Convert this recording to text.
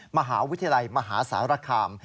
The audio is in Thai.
มหาวิทยาลัยมหาสารคาม